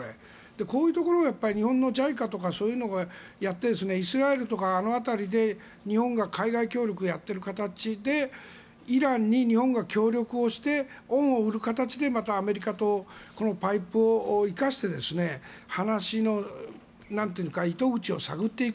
こういうところを日本のＪＩＣＡとかそういうのがやってイスラエルとかあの辺りで日本が海外協力をやっている形でイランに日本が協力をして恩を売る形でまたアメリカとパイプを生かして話の糸口を探っていく。